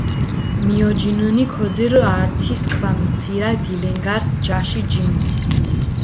მიოჯინჷნი, ქოძირჷ ართი სქვამი ცირა დილენგარს ჯაში ჯინს.